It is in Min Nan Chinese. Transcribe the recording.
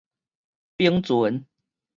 翻船